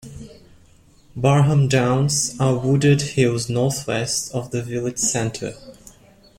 Barham Downs are wooded hills north-west of the village centre.